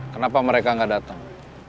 kenapa mereka gak datang